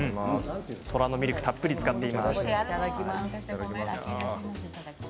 虎のミルクたっぷり使っています。